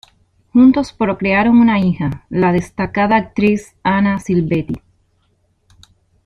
Juntos procrearon una hija, la destacada actriz Anna Silvetti.